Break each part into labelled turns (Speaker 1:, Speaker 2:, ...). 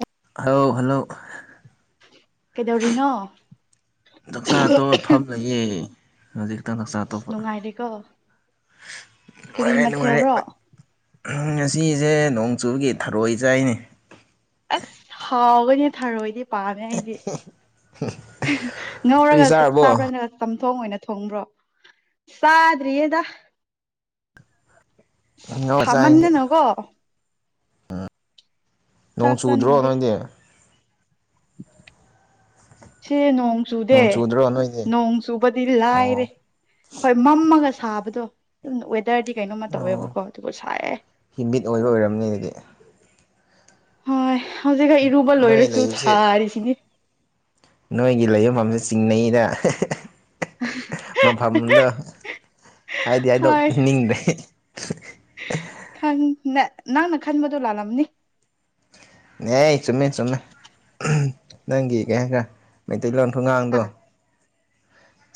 Speaker 1: ꯑ
Speaker 2: ꯍ ꯍꯜꯂꯣ
Speaker 1: ꯀꯩꯗꯧꯔꯤꯅꯣ
Speaker 2: ꯆꯥꯛꯆꯥ ꯇꯣ ꯐꯝꯂꯒꯦ ꯍꯧꯖꯤꯛ ꯍꯇ ꯅꯛꯁꯥ
Speaker 1: ꯑꯁ
Speaker 2: ꯑꯇꯣꯞꯄ
Speaker 1: ꯅꯨꯡꯉꯥꯏꯔꯦꯀꯣ ꯀꯔꯤ
Speaker 2: ꯅꯨꯡꯉꯥꯏꯔꯦ ꯅꯨꯡꯉꯥꯏꯔꯦ
Speaker 1: ꯃꯊꯦꯜꯔꯣ
Speaker 2: ꯉꯁꯤꯁꯦ ꯅꯣꯡꯆꯨꯒꯤ ꯊꯔꯣꯏ ꯆꯥꯏꯅꯤ
Speaker 1: ꯑꯣꯏꯅꯦ ꯊꯥꯔꯣꯏꯗꯤ ꯄꯥꯝꯃꯦ ꯑꯩꯗꯤ
Speaker 2: ꯅꯣꯏꯗꯤ
Speaker 1: ꯉꯧꯔꯒ
Speaker 2: ꯆꯥꯔꯕꯣ
Speaker 1: ꯆꯥꯕ꯭ꯔ ꯅ ꯊꯣꯡ ꯑꯣꯏꯅ ꯊꯣꯡꯕ꯭ꯔꯣ ꯆꯥꯗ꯭ꯔꯤꯌꯦꯗ ꯊꯥꯟꯅꯦꯅꯣꯀꯣ
Speaker 2: ꯎꯝ ꯅꯣꯡ ꯆꯨꯗ꯭ꯔꯣ
Speaker 1: ꯆꯥꯅꯤꯡꯗꯦ
Speaker 2: ꯅꯣꯏꯗꯤ
Speaker 1: ꯁꯤ ꯅꯣꯡ ꯆꯗꯦ
Speaker 2: ꯅꯣꯡ ꯆꯨꯗ꯭ꯔꯣ ꯅꯣꯏꯗꯤ
Speaker 1: ꯆ ꯂ
Speaker 2: ꯑꯣ
Speaker 1: ꯍ ꯊꯥꯕꯗꯣ ꯑꯗꯨ ꯗꯔꯗꯤ ꯀꯩꯅꯣꯝꯃ
Speaker 2: ꯑꯣ
Speaker 1: ꯇꯧꯋꯦꯕꯀꯣ ꯑꯗꯨꯕꯨ ꯁꯥꯏꯦ
Speaker 2: ꯍꯤꯃꯤꯠ ꯑꯣꯏꯕ ꯑꯣꯏꯔꯝꯅꯤ ꯑꯗꯨꯗꯤ
Speaker 1: ꯍꯣꯏ ꯍꯧꯖꯤꯛꯒ ꯏꯔꯨꯕ
Speaker 2: ꯅꯣꯏ
Speaker 1: ꯂꯣꯏꯔꯁꯨ
Speaker 2: ꯂꯩꯕꯁꯦ
Speaker 1: ꯁꯥꯔꯤꯁꯤꯅꯤ
Speaker 2: ꯅꯣꯏꯒꯤ ꯂꯩꯕ ꯃꯐꯝꯁꯦ ꯆꯤꯡꯅꯩꯗ ꯃꯐꯝꯗꯣ ꯍꯥꯏꯗꯤ ꯍꯥꯏꯗꯣ ꯅꯤꯡꯗ꯭ꯔꯦ
Speaker 1: ꯈ ꯅ ꯅꯪꯅ ꯈꯟꯕꯗꯨꯣ ꯂꯥꯜꯂꯝꯂꯝꯅꯤ
Speaker 2: ꯑꯦ ꯆꯨꯝꯃꯦ ꯆꯨꯝꯃꯦ ꯅꯪꯒꯤ ꯀꯩ ꯍꯥꯏ ꯈꯔꯥꯩ ꯇꯩꯂꯪ
Speaker 1: ꯍꯥ
Speaker 2: ꯊꯣꯡꯉꯥꯡꯗꯣ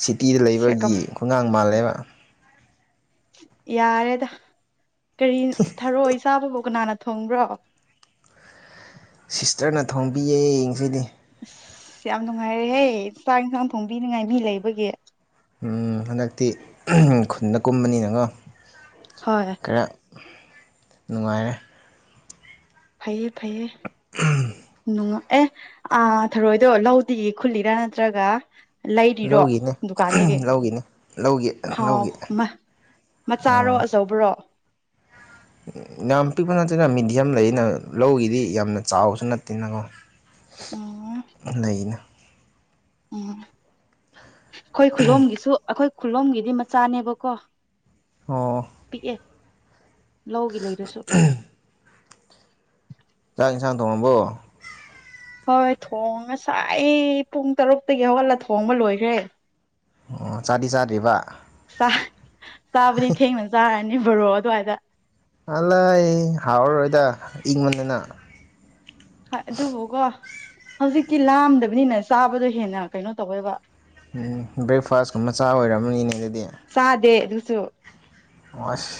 Speaker 2: ꯁꯤꯇꯤꯗ
Speaker 1: ꯁꯦꯀꯝ
Speaker 2: ꯂꯩꯕꯒꯤ ꯈꯣꯡꯒꯥꯡ ꯃꯥꯜꯂꯦꯕ
Speaker 1: ꯌꯥꯔꯦꯗ ꯀꯔꯤ ꯊꯔꯛꯑꯣ ꯆꯥꯕꯐꯥꯎ ꯀꯅꯥꯅ ꯊꯣꯡꯕ꯭ꯔꯣ
Speaker 2: ꯁꯤꯁꯇꯔꯅ ꯊꯣꯡꯝꯕꯤꯌꯦ ꯌꯦꯡꯁꯤꯗꯤ
Speaker 1: ꯑꯁ ꯌꯥꯝ ꯅꯨꯡꯉꯥꯏꯔꯦꯍꯦ ꯆꯥꯛ ꯏꯟꯁꯥꯡ ꯊꯣꯡꯕꯤꯅꯉꯥꯏꯕꯤ ꯂꯩꯕꯒꯤ
Speaker 2: ꯍꯟꯗꯛꯇꯤ ꯈꯨꯟꯗ ꯀꯨꯝꯕꯅꯤꯅꯉꯣ
Speaker 1: ꯍꯣꯏ
Speaker 2: ꯈꯔ ꯅꯨꯡꯉꯥꯏꯔꯦ
Speaker 1: ꯐꯩꯌꯦ ꯐꯩꯌꯦ ꯅꯨꯡ ꯑꯦ ꯊꯔꯣꯏꯗꯣ ꯂꯧꯗꯤ ꯈꯨꯜꯂꯤꯔꯥ ꯅꯠꯇ꯭ꯔꯒ ꯂꯩꯔꯤꯔꯣ
Speaker 2: ꯂꯧꯒꯤꯅꯦ
Speaker 1: ꯗꯨꯀꯥꯟꯗꯒꯤ
Speaker 2: ꯂꯧꯒꯤꯅꯦ ꯂꯧꯒꯤ
Speaker 1: ꯍꯥꯎ
Speaker 2: ꯂꯧꯒꯤ
Speaker 1: ꯑꯃ ꯃꯆꯥꯔꯣ
Speaker 2: ꯑꯥ
Speaker 1: ꯑꯆꯧꯕꯔꯣ
Speaker 2: ꯌꯥꯝ ꯄꯤꯛꯄ ꯅꯠꯇꯦꯅ ꯃꯤꯦꯗꯤꯌꯝ ꯂꯩꯅ ꯂꯧꯒꯤꯗꯤ ꯌꯥꯝꯅ ꯆꯥꯎꯕꯁꯨ ꯅꯠꯇꯦꯅꯀꯣ
Speaker 1: ꯎꯝ
Speaker 2: ꯂꯩꯅ
Speaker 1: ꯎꯝ ꯑꯩꯈꯣꯏ ꯈꯨꯂꯣꯝꯒꯤꯁꯨ ꯑꯩꯈꯣꯏ ꯈꯨꯂꯣꯝꯒꯤꯗꯤ ꯃꯆꯥꯅꯦꯕꯀꯣ
Speaker 2: ꯑꯣ
Speaker 1: ꯄꯤꯛꯑꯦ ꯂꯧꯒꯤ ꯂꯩꯔꯁꯨ
Speaker 2: ꯆꯥꯛ ꯏꯟꯁꯥꯡ ꯊꯣꯡꯃꯕꯣ
Speaker 1: ꯍꯣꯏ ꯊꯣꯡ ꯉꯁꯥꯏ ꯑꯩ ꯄꯨꯡ ꯇꯔꯨꯛꯇꯒꯤ ꯍꯧꯒꯠꯂ ꯊꯣꯡꯕ ꯂꯣꯏꯈ꯭ꯔꯦ
Speaker 2: ꯑꯣ ꯆꯥꯗꯤ ꯆꯥꯗ꯭ꯔꯤꯕ
Speaker 1: ꯆꯥꯕꯗꯤ ꯊꯦꯡꯅꯅ ꯆꯥꯔꯅꯤ ꯕꯣꯔꯣ ꯑꯗꯨꯋꯥꯏꯗ
Speaker 2: ꯑꯜ ꯂꯩ ꯍꯥꯎꯔꯔꯣꯏꯗ ꯏꯪꯕꯅꯤꯅ
Speaker 1: ꯍ ꯑꯗꯨꯕꯨꯀꯣ ꯍꯧꯖꯤꯛꯤ ꯂꯥꯝꯗꯕꯅꯤꯅ ꯆꯥꯕꯗꯣ ꯍꯦꯟꯅ ꯀꯩꯅꯣ ꯇꯧꯋꯦꯕ
Speaker 2: ꯎꯝ ꯕ꯭ꯔꯦꯛꯐꯥꯁꯀꯨꯝꯕꯆꯥ ꯑꯣꯏꯔꯝꯔꯕꯅꯤꯅꯦ ꯑꯗꯨꯗꯤ
Speaker 1: ꯁꯨ
Speaker 2: ꯑꯁ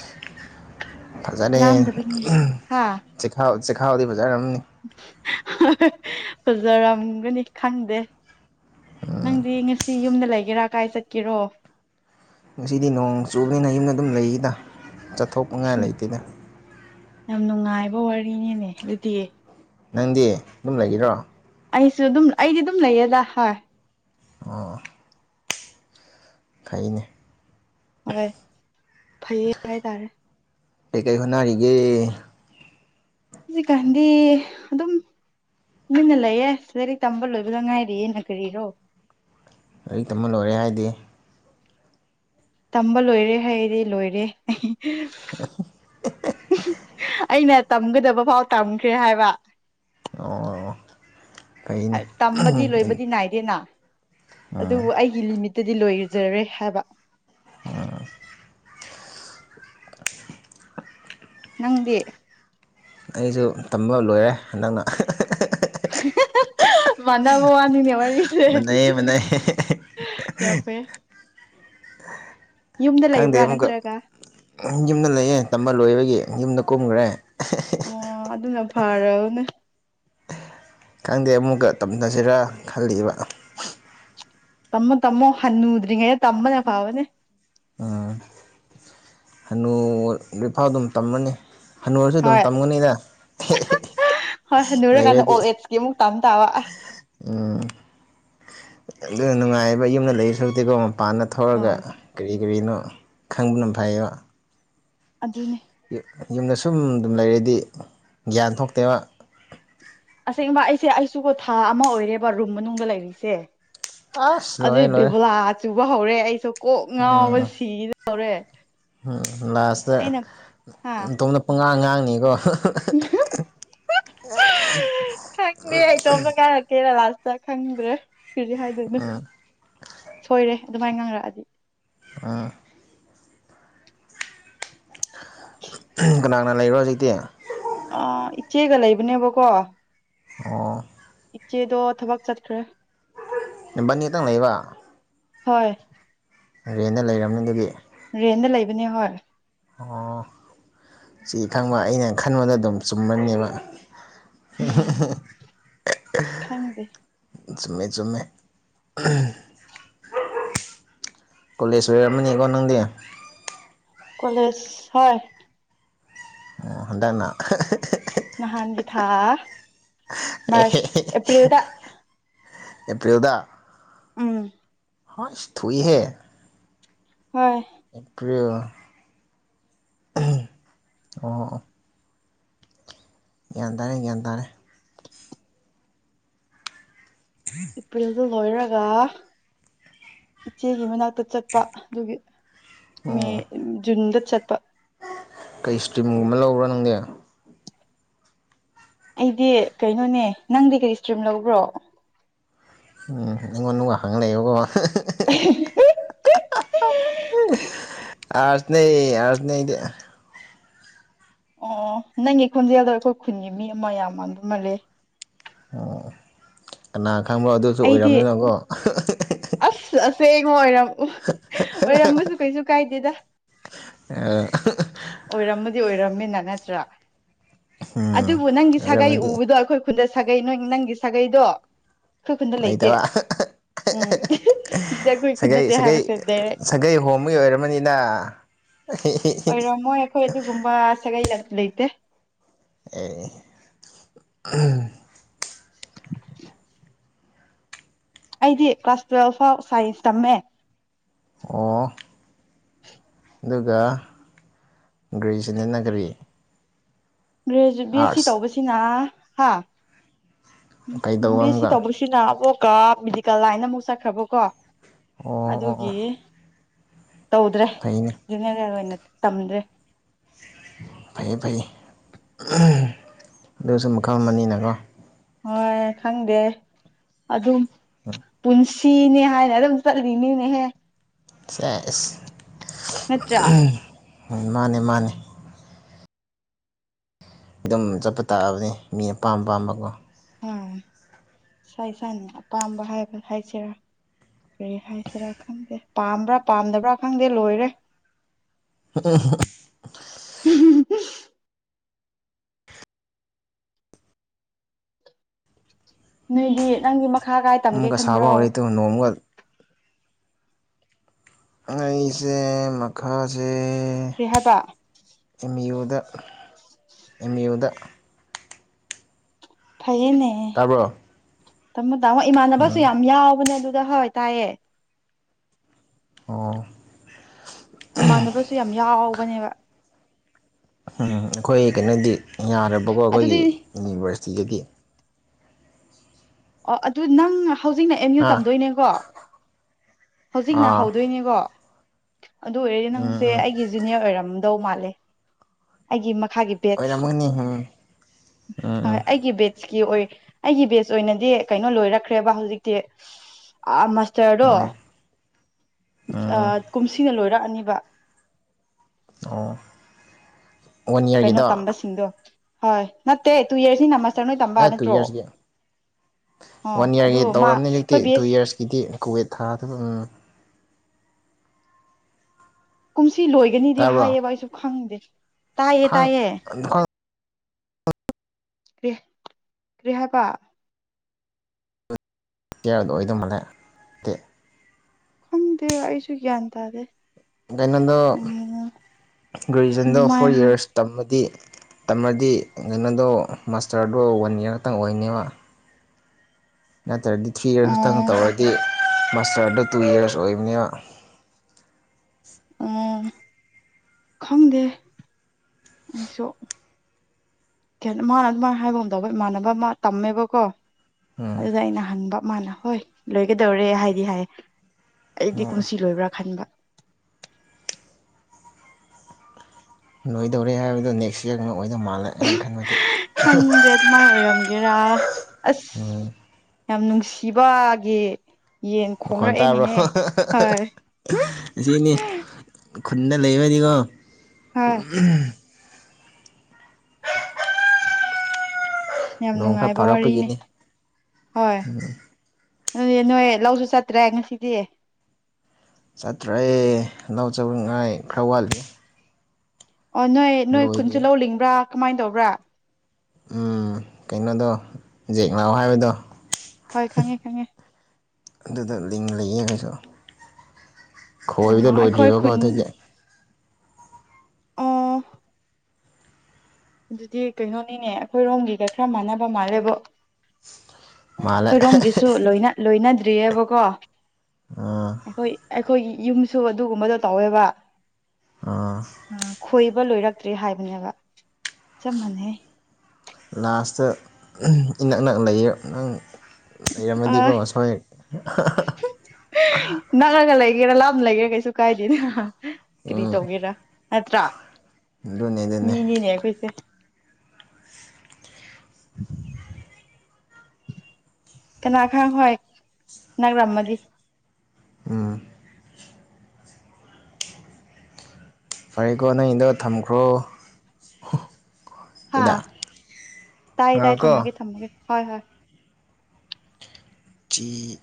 Speaker 2: ꯐꯖꯅꯦ
Speaker 1: ꯂꯥꯝꯗꯕꯒꯤꯅꯦ ꯍꯥ
Speaker 2: ꯆꯈꯥꯎ ꯆꯤꯈꯥꯎꯗꯤ ꯐꯖ ꯊꯖꯔꯝꯅꯤ
Speaker 1: ꯐꯖꯔꯝꯒꯅꯤ ꯈꯪꯗꯦ ꯅꯪꯗꯤ ꯉꯁꯤ ꯌꯨꯝꯗ ꯂꯩꯒꯦꯔꯥ ꯀꯥꯏ ꯆꯠꯀꯦꯔꯣ
Speaker 2: ꯉꯁꯤꯗꯤ ꯅꯣꯡ ꯆꯨꯕꯅ ꯌꯨꯝꯗ ꯑꯗꯨꯝ ꯂꯩꯔꯤꯗ ꯆꯠꯊꯣꯛꯅꯤꯡꯉꯥꯏ
Speaker 1: ꯑꯁ
Speaker 2: ꯂꯩꯇꯦꯗ
Speaker 1: ꯌꯥꯝ ꯅꯨꯡꯉꯥꯏꯕ ꯋꯥꯔꯤꯅꯤꯅꯦ ꯑꯗꯨꯗꯤ
Speaker 2: ꯅꯪꯗꯤ ꯑꯗꯨꯝ ꯂꯩꯒꯔꯣ
Speaker 1: ꯑꯩꯁꯨ ꯑꯗꯨꯝ ꯑꯩꯗꯤ ꯑꯗꯨꯝ ꯂꯩꯌꯦꯗ ꯍꯣꯏ
Speaker 2: ꯑ ꯈꯅꯦ
Speaker 1: ꯐꯩꯌꯦ ꯍꯥꯏ ꯇꯥꯔꯦ
Speaker 2: ꯍ ꯀꯥꯏ ꯍꯧꯅꯔꯒ
Speaker 1: ꯖꯤꯀꯥꯟꯗꯤ ꯑꯗꯨꯝ ꯃꯤꯟꯅ ꯂꯩꯌꯦꯦ ꯂꯥꯏꯔꯤꯛ ꯇꯝꯕ ꯂꯣꯏꯕꯗ ꯉꯥꯏꯔꯤꯌꯦꯦꯅ ꯀꯔꯤꯔꯣ
Speaker 2: ꯂꯥꯏꯔꯤꯛ ꯇꯝꯃ ꯂꯣꯏꯔꯦ ꯍꯥꯏꯗꯤ
Speaker 1: ꯇꯝꯕ ꯂꯣꯏꯔꯦ ꯍꯥꯏꯔꯦ ꯂꯣꯏꯔꯦ
Speaker 2: [inaudible]
Speaker 1: ꯑꯩꯅ ꯇꯝꯒꯗꯕ ꯐꯥꯎ ꯇꯝꯈ꯭ꯔꯦ ꯍꯥꯏꯕ
Speaker 2: ꯑꯣ ꯐꯩꯅꯦ
Speaker 1: ꯇꯝꯕꯗꯤ ꯂꯣꯏꯕꯗꯤ ꯅꯥꯏꯗꯦꯅ ꯑꯗꯨꯕꯨ ꯑꯩꯒꯤ ꯂꯤꯃꯤꯠ ꯇꯗꯤ ꯂꯣꯏꯖꯔꯦ ꯍꯥꯏꯕ ꯅꯪꯗꯦ
Speaker 2: ꯑꯩꯁꯨ ꯇꯝꯕ ꯂꯣꯏꯔꯦ ꯍꯟꯗꯛꯅ
Speaker 1: ꯃꯥꯟꯗ ꯃ ꯑꯅꯤꯅꯦꯕ
Speaker 2: ꯃꯥꯟꯅꯩꯌꯦ ꯃꯥꯟꯅꯩꯌꯦ
Speaker 1: ꯌꯥ ꯐ
Speaker 2: ꯈꯪꯗꯦ
Speaker 1: ꯂꯩꯕ꯭ꯔꯥ
Speaker 2: ꯑꯃꯨꯛꯀ
Speaker 1: ꯅꯠꯇ꯭ꯔꯒ
Speaker 2: ꯌꯨꯝꯗ ꯂꯩꯌꯦꯦ ꯇꯝꯕ ꯂꯣꯏꯕꯒꯤ ꯌꯨꯝꯗ ꯀꯨꯝꯈ꯭ꯔꯦ
Speaker 1: ꯑꯣ ꯑꯗꯨꯅ ꯐꯔꯎꯅꯦ
Speaker 2: ꯈꯪꯗꯦ ꯑꯃꯨꯛꯀ ꯇꯝꯅꯁꯤꯔꯥ ꯈꯜꯂꯤꯕ
Speaker 1: ꯇꯃꯣ ꯇꯃꯣ ꯍꯟꯅꯨꯗ꯭ꯔꯤꯉ ꯇꯃꯅꯦ ꯐꯕꯅꯦ
Speaker 2: ꯑꯝ ꯍꯅꯨ ꯐꯥꯎ ꯑꯗꯨꯝ ꯇꯝꯃꯅꯤ ꯍꯨꯔꯁꯨ ꯑꯗꯨꯝ
Speaker 1: ꯍꯣꯏ
Speaker 2: ꯇꯝꯒꯅꯤꯗ
Speaker 1: ꯍꯣꯏ ꯍꯟꯅꯨꯔꯀꯥꯟꯗ
Speaker 2: ꯂꯩꯔꯗꯤ
Speaker 1: ꯑꯣꯜ ꯑꯦꯖꯀꯤ ꯑꯃꯨꯛ ꯇꯝ ꯇꯥꯕ
Speaker 2: ꯎꯝ ꯑꯗꯨꯅ ꯅꯨꯡꯉꯥꯏꯕ ꯌꯨꯝꯗ ꯂꯩꯕ ꯁꯔꯨꯛꯇꯤꯀꯣ ꯃꯄꯥꯟꯗ ꯊꯧꯔꯒ
Speaker 1: ꯍꯣꯏ
Speaker 2: ꯀꯔꯤ ꯀꯔꯤꯅꯣ ꯈꯪꯕꯅꯝ ꯐꯩꯕ
Speaker 1: ꯑꯗꯨꯗꯦꯅꯦ
Speaker 2: ꯌꯨꯝꯗ ꯁꯨꯝ ꯑꯗꯨꯝ ꯂꯩꯔꯗꯤ ꯒ꯭ꯌꯥꯟ ꯊꯣꯛꯇꯦꯕ
Speaker 1: ꯑꯁꯦꯡꯕ ꯑꯩꯁꯦ ꯑꯩꯁꯨꯀꯣ ꯊꯥ ꯑꯃ ꯑꯣꯏꯔꯦꯕ ꯔꯨꯝ ꯃꯅꯨꯡꯗ ꯂꯩꯔꯤꯁꯦ
Speaker 2: ꯑꯁ
Speaker 1: ꯑꯗꯨꯗꯤ
Speaker 2: ꯂꯣꯏꯔꯦ ꯂꯣꯏꯔꯦ
Speaker 1: ꯕꯦꯕꯣꯂꯥ ꯆꯨꯕ ꯍꯧꯔꯦ ꯑꯩꯁꯨ ꯀꯣꯛ ꯉꯥꯎꯕ ꯁꯤꯗꯗꯧꯔꯦ
Speaker 2: ꯎꯝ ꯂꯥꯁꯇ
Speaker 1: ꯍꯥ
Speaker 2: ꯑꯣꯝꯅ ꯄꯨꯡꯉꯥꯡ ꯉꯥꯡꯅꯤꯀꯣ
Speaker 1: ꯈꯪꯗꯦ ꯑꯩ ꯇꯣꯝꯕ ꯀꯥꯏꯔꯛꯀꯦꯔ ꯂꯛ ꯆ ꯈꯪꯗ꯭ꯔꯦ ꯀꯤꯔꯦ ꯍꯥꯏꯗꯣꯏꯅꯨ ꯁꯣꯏꯔꯦ ꯑꯗꯨꯃꯥꯏꯅ ꯉꯪꯔꯛꯑꯗꯤ
Speaker 2: ꯑꯥ ꯀꯅꯥꯅꯥ ꯂꯩꯔꯣ ꯍꯧꯖꯤꯛꯇꯤ
Speaker 1: ꯑꯥ ꯏꯆꯦꯒ ꯂꯩꯕꯅꯦꯕꯀꯣ
Speaker 2: ꯑꯣ
Speaker 1: ꯆꯦꯗꯣ ꯊꯕꯛ ꯆꯠꯈ꯭ꯔꯦ
Speaker 2: ꯅꯕꯥꯅꯤ ꯈꯛꯇꯪ ꯂꯩꯕ
Speaker 1: ꯍꯣꯏ
Speaker 2: ꯔꯦꯟꯗ ꯂꯩꯔꯝꯅꯤ ꯑꯗꯨꯒꯤ
Speaker 1: ꯔꯦꯟꯗ ꯂꯩꯕꯅꯦ ꯍꯣꯏ
Speaker 2: ꯑꯣ ꯆꯦ ꯈꯪꯕ ꯑꯩꯅ ꯈꯟꯕꯗ ꯑꯗꯨꯝ ꯆꯨꯝꯃꯅꯦꯕ
Speaker 1: ꯈꯪꯗꯦ
Speaker 2: ꯆꯨꯝꯃꯦ ꯆꯨꯝꯃꯦ ꯀꯣꯂꯦꯖ ꯑꯣꯏꯔꯝꯝꯕꯅꯦꯀꯣ ꯅꯪꯗꯤ
Speaker 1: ꯀꯣꯂꯦꯖ ꯍꯣꯏ
Speaker 2: ꯍꯟꯗꯛꯅ
Speaker 1: ꯅꯍꯥꯟꯒꯤ ꯊꯥ ꯃꯥꯔꯆ ꯑꯦꯄ꯭ꯔꯤꯜꯗ
Speaker 2: ꯑꯦꯄꯔꯤꯜꯗ
Speaker 1: ꯎꯝ
Speaker 2: ꯍꯣꯏ ꯏꯁ ꯊꯨꯏꯍꯦ
Speaker 1: ꯍꯣꯏ
Speaker 2: ꯏꯄ꯭ꯤꯜ ꯑꯣ ꯒꯋꯟ ꯇꯥꯔꯦ ꯌꯒꯌꯟ ꯇꯥꯔꯦ
Speaker 1: ꯏꯄ꯭ꯔꯤꯜꯗꯨ ꯂꯣꯏꯔꯒ ꯏꯆꯦꯒꯤ ꯃꯅꯥꯛꯇ ꯆꯠꯄ ꯑꯗꯨꯒꯤ ꯃꯦ
Speaker 2: ꯑꯣ
Speaker 1: ꯖꯨꯟꯗ ꯆꯠꯄ
Speaker 2: ꯀꯩ ꯏꯁꯇ꯭ꯔꯤꯝꯒꯨꯝꯕ ꯂꯧꯕꯔꯣ ꯅꯪꯅꯦ
Speaker 1: ꯑꯩꯗꯤ ꯀꯩꯅꯣꯅꯦ ꯅꯪꯗꯤ ꯀꯔꯤ ꯏꯁꯇ꯭ꯔꯤꯝ ꯂꯧꯕ꯭ꯔꯣ
Speaker 2: ꯎꯝ ꯑꯩꯉꯣꯟ ꯅꯨꯡ ꯋꯥ ꯈꯪ ꯂꯩꯕꯀꯣ
Speaker 1: [inaudible]
Speaker 2: ꯑꯔꯁꯅꯦ ꯑꯔꯁ ꯅꯦ ꯑꯩꯗ
Speaker 1: ꯑꯣ ꯑꯣ ꯅꯪꯒꯤ ꯈꯣꯟꯖꯦꯜꯗꯣ ꯑꯩꯈꯣꯏ ꯈꯨꯟꯒꯤ ꯃꯤ ꯑꯃ ꯌꯥꯝ ꯃꯥꯟꯕ ꯑꯃꯥ ꯂꯩ
Speaker 2: ꯑꯣ ꯀꯅꯥ ꯈꯪꯕꯣ ꯑꯗꯨꯁꯨ
Speaker 1: ꯑꯩꯗꯤ
Speaker 2: ꯑꯣꯏꯔꯝꯅꯤꯅꯣꯀꯣ
Speaker 1: ꯑꯁ ꯑꯁ ꯑꯩꯉꯣ ꯑꯣꯏꯔꯝ ꯑꯣꯏꯔꯝꯕꯁꯨ ꯀꯩꯁꯨ ꯀꯥꯏꯗꯦꯗ ꯑꯣꯏꯔꯝꯃꯗꯤ ꯑꯣꯏꯔꯝꯃꯤꯅ ꯅꯠꯇ꯭ꯔꯥ
Speaker 2: ꯎꯝ
Speaker 1: ꯑꯗꯨꯕꯨ ꯅꯪꯒꯤ ꯁꯥꯒꯩ
Speaker 2: ꯑꯣꯏꯔꯝꯃꯗꯤ
Speaker 1: ꯎꯕꯗꯣ ꯑꯩꯈꯣꯏ ꯈꯨꯟꯗ ꯁꯥꯒꯩ ꯅꯣꯏ ꯅꯪꯒꯤ ꯁꯥꯒꯩꯗꯣ ꯑꯩꯈꯣꯏ ꯈꯨꯟꯗ ꯂꯩꯇꯦ
Speaker 2: ꯂꯩꯇꯕ
Speaker 1: ꯎꯝ ꯑꯗꯨꯗꯤ ꯑꯩꯈꯣꯏ ꯈꯨꯟ
Speaker 2: ꯁꯥꯒꯩ
Speaker 1: ꯅꯠꯇꯦ
Speaker 2: ꯁꯥꯒꯩ
Speaker 1: ꯍꯥꯏꯕꯁꯦ ꯗꯥꯏꯔꯦꯛ
Speaker 2: ꯁꯥꯒꯩ ꯍꯣꯕꯒꯤ ꯑꯣꯏꯔꯕꯔꯕꯅꯤꯅ
Speaker 1: ꯑꯣꯏꯔꯝꯃꯣꯏ ꯑꯩꯈꯣꯏ ꯑꯗꯨꯒꯨꯝꯕ ꯁꯒꯩ ꯂꯩꯇꯦ
Speaker 2: ꯑꯦ
Speaker 1: [inaudible] ꯑꯩꯗꯤ ꯀ꯭ꯂꯥꯁ ꯇꯨꯋꯦꯜꯐ ꯐꯥꯎ ꯁꯥꯏꯟꯁ ꯇꯝꯃꯦ
Speaker 2: ꯑꯣ
Speaker 1: [inaudible]
Speaker 2: ꯑꯗꯨꯒ ꯒ꯭ꯔꯔꯤꯁꯤꯅꯅꯒꯔꯤ
Speaker 1: ꯒ꯭ꯔꯦꯖꯨꯦꯠ ꯕꯤ ꯑꯦꯁ ꯁꯤ ꯇꯧꯕꯁꯤꯅ ꯍꯥ ꯎ ꯕꯤ
Speaker 2: ꯀꯩꯗꯧꯕ
Speaker 1: ꯑꯦꯁ ꯁꯤ
Speaker 2: ꯑꯃꯒ
Speaker 1: ꯇꯧꯕꯁꯤꯅ ꯑꯃꯕꯛꯀ ꯃꯦꯗꯤꯀꯦꯜ ꯂꯥꯏꯟꯗ ꯑꯃꯨꯛ ꯆꯠꯈ꯭ꯔꯕꯀꯣ
Speaker 2: ꯑꯣ ꯑꯣ
Speaker 1: ꯑꯗꯨꯒꯤ ꯇꯧꯗ꯭ꯔꯦ
Speaker 2: ꯐꯩꯅꯦ
Speaker 1: ꯖꯦꯅꯦꯔꯦꯜ ꯑꯣꯏꯅ ꯇꯝꯗ꯭ꯔꯦ
Speaker 2: ꯐꯩꯌꯦ ꯐꯩ ꯑꯗꯨꯁꯨ ꯃꯈꯜ ꯑꯃꯅꯤꯅꯀꯣ
Speaker 1: ꯍꯣꯏ ꯈꯪꯗꯦ ꯑꯗꯨꯝ ꯄꯨꯟꯁꯤ ꯁꯤꯅꯦ ꯍꯥꯏꯅ ꯑꯗꯨꯝ ꯆꯠꯂꯤꯅꯤꯅꯦꯍꯦ
Speaker 2: ꯁꯁ
Speaker 1: ꯅꯠꯇ꯭ꯔꯥ
Speaker 2: ꯎ ꯃꯥꯅꯦ ꯃꯥꯅꯦ ꯑꯗꯨꯝ ꯆꯠꯄ ꯇꯥꯛꯑꯕꯅꯤ ꯃꯤ ꯑꯄꯥꯝ ꯑꯄꯥꯝꯕꯀꯣ
Speaker 1: ꯍ ꯏꯁꯥ ꯏꯁꯥꯅ ꯑꯄꯥꯝꯕ ꯍꯥꯏꯕ ꯍꯥꯏꯁꯤꯔꯥ ꯀꯔꯤ ꯍꯥꯏꯁꯤꯔꯥ ꯈꯪꯗꯦ ꯄꯥꯝꯕ꯭ꯔꯥ ꯄꯥꯝꯗꯕ꯭ꯔꯥ ꯈꯪꯗꯦ ꯂꯣꯏꯔꯦ
Speaker 2: ꯑꯝ
Speaker 1: ꯅꯣꯏꯗꯤ ꯅꯪꯒꯤ ꯃꯈꯥ ꯀꯥꯏ ꯇꯝꯒꯦ
Speaker 2: ꯑꯃꯨꯛꯀ ꯁꯥꯕ
Speaker 1: ꯈꯟꯕ꯭ꯔꯣ
Speaker 2: ꯍꯧꯔꯦ ꯇꯨ ꯅꯣꯡꯃꯨꯛꯀ ꯉꯏꯁꯦ ꯃꯈꯥꯁꯦ
Speaker 1: ꯍꯦꯍꯕ
Speaker 2: ꯑꯦꯝ ꯌꯨꯗ ꯑꯦꯝ ꯌꯨꯗ
Speaker 1: ꯐꯩꯌꯦꯅꯦ
Speaker 2: ꯇꯥꯕ꯭ꯔꯣ
Speaker 1: ꯇꯝꯃꯣ ꯇꯥꯃꯣ ꯏꯃꯥꯟꯅꯕꯁꯨ ꯌꯥꯝ ꯌꯥꯎꯕꯅꯦ ꯑꯗꯨ ꯗ ꯍꯣꯏ ꯇꯥꯏꯌꯦ
Speaker 2: ꯑ
Speaker 1: ꯏꯃꯥꯟꯅꯕꯁꯨ ꯌꯥꯝ ꯌꯥꯎꯕꯅꯦꯕ
Speaker 2: ꯎꯝ ꯑꯩꯈꯣꯏ ꯀꯩꯅꯣꯗꯤ ꯌꯥꯔꯕꯀꯣ ꯑꯩꯈꯣꯏꯒꯤ
Speaker 1: ꯑꯗꯨꯗꯤ
Speaker 2: ꯌꯨꯅꯤꯚꯔꯁꯤꯇꯤꯗꯗꯤ
Speaker 1: ꯑꯣ ꯑꯗꯨ ꯅꯪ ꯍꯧꯖꯤꯛꯅ ꯑꯦꯝ ꯌꯨ
Speaker 2: ꯍꯥ
Speaker 1: ꯇꯝꯗꯣꯏꯅꯦꯀꯣ ꯍꯧꯖꯤꯛꯅ
Speaker 2: ꯑꯥ
Speaker 1: ꯍꯧꯗꯣꯏꯅꯦꯀꯣ ꯑꯗꯨ ꯑꯣꯏꯔꯗꯤ
Speaker 2: ꯎꯝ
Speaker 1: ꯅꯪꯁꯦ
Speaker 2: ꯎꯝ
Speaker 1: ꯑꯩꯒꯤ ꯖꯨꯅꯤꯌꯔ ꯑꯣꯏꯔꯝꯗꯧ ꯃꯥꯜꯂꯦ ꯑꯩꯒꯤ ꯈꯥꯒꯤ
Speaker 2: ꯑꯣꯏꯔꯝꯒꯅꯤ ꯎꯝ ꯎꯝ
Speaker 1: ꯕꯦꯠꯁ ꯍꯣꯏ
Speaker 2: ꯎꯝ
Speaker 1: ꯑꯩꯒꯤ ꯕꯦꯠ ꯑꯣꯏ ꯑꯩꯒꯤ ꯕꯦꯁ ꯑꯣꯏꯅꯗꯤ ꯀꯩꯅꯣ ꯂꯣꯏꯔꯛꯈ꯭ꯔꯦꯕ ꯍꯧꯖꯤꯛꯇꯤ ꯗꯣ
Speaker 2: ꯎꯝ ꯎꯝ
Speaker 1: ꯀꯨꯝꯁꯤꯅ ꯂꯣꯏꯔꯛꯑꯅꯤꯕ
Speaker 2: ꯑꯣ ꯋꯥꯟ
Speaker 1: ꯀꯩꯅꯣ
Speaker 2: ꯌꯥꯔꯒꯤꯗꯣ
Speaker 1: ꯇꯝꯕꯁꯤꯡꯗꯣ ꯍꯣꯏ ꯅꯠꯇꯦ ꯇꯨ ꯌꯔꯁꯅꯤꯅꯃꯁꯇꯔ ꯅꯣꯏ ꯇꯝꯕ
Speaker 2: ꯑꯦ ꯇꯨ
Speaker 1: ꯅꯠꯇ꯭ꯔꯣ
Speaker 2: ꯌꯔꯁꯀꯤ
Speaker 1: ꯑꯣ
Speaker 2: ꯋꯥꯟ
Speaker 1: ꯑꯗꯨ
Speaker 2: ꯏꯌꯥꯔꯒꯤ
Speaker 1: ꯃꯥ
Speaker 2: ꯇꯧꯔꯕꯝꯅꯤ ꯍꯧꯖꯤꯛꯇꯤ
Speaker 1: ꯑꯩꯈꯣꯏ
Speaker 2: ꯇꯨ
Speaker 1: ꯕꯦꯁ
Speaker 2: ꯌꯔꯁꯀꯤꯗꯤ ꯀꯣꯚꯤꯠ ꯊꯥꯗ ꯎ
Speaker 1: ꯀꯨꯝꯁꯤ ꯂꯣꯏꯒꯅꯤꯗꯤ
Speaker 2: ꯇꯥꯕ꯭ꯔꯣ
Speaker 1: ꯍꯥꯏꯌꯦꯕ ꯑꯩꯁꯨ ꯈꯪꯗꯦ ꯇꯥꯏꯌꯦ
Speaker 2: ꯈꯪ
Speaker 1: ꯇꯥꯏꯌꯦ
Speaker 2: ꯈꯪ
Speaker 1: ꯀꯔꯤꯦꯍ ꯀ꯭ꯔꯤꯍꯄꯥ
Speaker 2: ꯀꯦꯌꯥꯔꯗ ꯑꯣꯏꯗꯧ ꯃꯥꯜꯂꯦ ꯗꯦ
Speaker 1: ꯈꯪꯗꯦ ꯑꯩꯁꯨ ꯒ꯭ꯌꯥꯟ ꯇꯥꯗꯦ
Speaker 2: ꯀꯩꯅꯣꯗꯣ
Speaker 1: ꯎꯝ
Speaker 2: ꯒ꯭ꯔꯦꯖꯨꯌꯦꯁꯟꯗꯣ
Speaker 1: ꯑꯗꯨꯃꯥꯏ
Speaker 2: ꯐꯣꯔ
Speaker 1: ꯍꯥꯏ
Speaker 2: ꯌꯔꯁ ꯇꯝꯃꯗꯤ ꯇꯝꯃꯗꯤ ꯀꯩꯅꯣꯗꯣ ꯃꯥꯁꯇꯔꯗꯣ ꯋꯥꯟ ꯏꯌꯥꯔ ꯉꯛꯇꯪ ꯑꯣꯏꯅꯦꯕ ꯅꯠꯇ꯭ꯔꯗꯤ ꯊ꯭ꯔꯤ ꯌꯔꯁ ꯈꯛꯇꯪ
Speaker 1: ꯑꯣ
Speaker 2: ꯇꯧꯔꯗꯤ ꯃꯁꯇꯔ ꯑꯗꯦ ꯇꯨꯏ ꯌꯦ ꯁꯣꯏꯕ
Speaker 1: ꯎꯝ ꯈꯪꯗꯦ ꯑꯩꯁꯨ ꯃꯥꯅ ꯑꯗꯨꯃꯥꯏꯅ ꯍꯥꯏꯕ ꯉ ꯇꯧꯕ ꯏꯃꯥꯟꯅꯕ ꯑꯃ ꯇꯝꯃꯦꯕꯀꯣ ꯑꯗꯨꯗ ꯑꯩꯅ ꯍꯟꯕ ꯃꯥꯅ ꯍꯣꯏ ꯂꯣꯏꯒꯗꯧꯔꯦ ꯍꯥꯏꯗꯤ ꯍꯥꯏ ꯑꯩꯗꯤ ꯀꯨꯝꯁꯤ ꯂꯣꯏꯕ꯭ꯔꯥ ꯈꯟꯕ
Speaker 2: ꯂꯣꯏꯗꯧꯔꯦ ꯍꯥꯏꯕꯗꯨꯣ ꯅꯦꯛꯁ ꯌꯔ ꯑꯣꯏꯗꯧ ꯃꯥꯜꯂꯦ ꯑꯩꯅ ꯈꯟꯕꯗꯤ
Speaker 1: ꯈꯪꯗꯦ ꯑꯗꯨꯃꯥꯏꯅ ꯑꯣꯏꯔꯝꯒꯦꯔꯥ
Speaker 2: ꯎꯝ
Speaker 1: ꯑꯁ ꯌꯥꯝ ꯅꯨꯡꯁꯤꯕꯒꯤ ꯌꯦꯟ
Speaker 2: ꯃꯈꯣꯟ ꯇꯥꯕ꯭ꯔꯣ
Speaker 1: ꯈꯣꯡꯂꯛꯑꯦꯅꯦꯍꯦ ꯍꯣꯏ
Speaker 2: ꯑꯁꯤꯅꯤ ꯈꯨꯟꯗ ꯂꯩꯕꯗꯤꯀꯣ
Speaker 1: ꯍꯣꯏ ꯌꯥꯝ
Speaker 2: ꯅꯣꯡ ꯈꯔ
Speaker 1: ꯅꯨꯡꯉꯥꯏꯕ ꯋꯥꯔꯤꯅꯤ
Speaker 2: ꯐꯥꯔꯛꯄꯒꯤꯅꯤ
Speaker 1: ꯍꯣꯏ ꯑꯗꯨꯗꯤ ꯅꯣꯏ ꯂꯧꯁꯨ ꯆꯠꯇ꯭ꯔꯦ ꯉꯁꯤꯗꯤ
Speaker 2: ꯆꯠꯇ꯭ꯔꯦ ꯏꯅꯥꯎ ꯆꯅꯤꯡꯉꯥꯏ ꯈꯔ ꯋꯥꯠꯂꯤ
Speaker 1: ꯑꯣ ꯅꯣꯏ ꯅꯣꯏ ꯈꯨꯟꯁꯨ
Speaker 2: ꯂꯣꯏꯗ꯭ꯔꯤ
Speaker 1: ꯂꯧ ꯂꯕ꯭ꯔꯥ ꯀꯃꯥꯏꯅ ꯇꯧꯕ꯭ꯔꯥ
Speaker 2: ꯎꯝ ꯀꯩꯅꯣꯗꯣ ꯌꯦꯛꯅꯥꯎ ꯍꯥꯏꯕꯗꯣ
Speaker 1: ꯍꯣꯏ ꯈꯪꯉꯦ ꯈꯪꯉꯦ
Speaker 2: ꯑꯗꯨꯗ ꯂ ꯂꯩꯌꯦ ꯀꯩꯁꯨ ꯈꯣꯏꯗ
Speaker 1: ꯑꯣ ꯑꯩꯈꯣꯏ
Speaker 2: ꯂꯣꯒꯒꯣꯗ
Speaker 1: ꯑ ꯑꯗꯨꯗꯤ ꯀꯩꯅꯣꯅꯤꯅꯦ ꯑꯩꯈꯣꯏꯔꯣꯝꯒꯤꯒ ꯈꯔ ꯃꯥꯟꯅꯕ ꯃꯥꯜꯂꯦꯕꯣ
Speaker 2: ꯃꯥꯜꯂꯦ
Speaker 1: ꯈꯣꯏꯔꯣꯝꯒꯤꯁꯨ ꯂꯣꯏꯅꯗ꯭ꯔꯤꯑꯕꯀꯣ
Speaker 2: ꯑꯥ
Speaker 1: ꯑꯩꯈꯣꯏ ꯑꯩꯈꯣꯏꯒꯤ ꯌꯨꯝꯁꯨ ꯑꯗꯨꯒꯨꯝꯕꯗꯣ ꯇꯧꯋꯦꯕ
Speaker 2: ꯑꯥ
Speaker 1: ꯑ ꯈꯣꯏꯕ ꯂꯣꯏꯔꯛꯇ꯭ꯔꯦ ꯍꯥꯏꯕꯅꯦꯕ ꯆꯞ ꯃꯥꯟꯅꯩ
Speaker 2: ꯂꯥꯁꯇ ꯏꯅꯛ ꯅꯛ ꯂꯩꯌꯦ ꯅꯪ
Speaker 1: ꯑ
Speaker 2: ꯏꯔꯃꯗꯤꯀꯣꯁꯥꯏ
Speaker 1: ꯅꯛꯑꯒ ꯂꯩꯒꯦꯔꯥ ꯂꯥꯞ ꯂꯩꯒꯦꯥ ꯀꯩꯁꯨ ꯀꯥꯏꯗꯦꯅ ꯀꯔꯤ
Speaker 2: ꯎꯝ
Speaker 1: ꯇꯧꯒꯦꯔꯥ ꯅꯠꯇ꯭ꯔꯥ
Speaker 2: ꯑꯗꯨꯅꯦ ꯑꯗꯨꯅꯦ
Speaker 1: ꯃꯤꯅꯤꯅꯦ ꯀꯩꯁꯦ
Speaker 2: [inaudible]
Speaker 1: ꯀꯅꯥ ꯈꯪ ꯍꯣꯏ ꯅꯅꯥꯅꯥꯔꯝꯃꯗꯤ
Speaker 2: ꯑ ꯐꯔꯦꯀꯣ ꯅꯪꯗꯣ ꯊꯝꯈ꯭ꯔꯣ ꯑꯗꯨꯗ
Speaker 1: ꯍꯥꯥ ꯇꯥꯏ ꯇꯥꯏ
Speaker 2: ꯉꯥꯏꯈꯣꯀꯣ
Speaker 1: ꯊꯝꯃꯒꯦ ꯊꯝꯃꯒꯦ ꯍꯣꯏ ꯍꯣꯏ
Speaker 2: ꯆꯤ